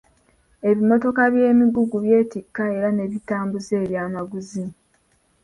Ebimmotoka by'emigugu byetikka era ne bitambuza eby'amaguzi.